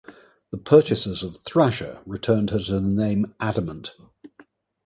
The purchasers of "Thrasher" returned her to the name "Adamant".